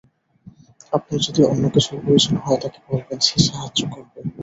আপনার যদি অন্য কিছুর প্রয়োজন হয় তাকে বলবেন, সে সাহায্য করবে।